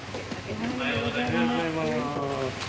おはようございます。